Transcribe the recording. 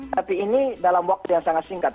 tapi ini dalam waktu yang sangat singkat